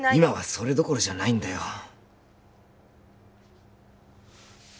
今はそれどころじゃないんだよ